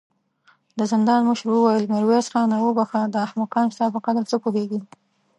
د زندان مشر وويل: ميرويس خانه! وبخښه، دا احمقان ستا په قدر څه پوهېږې.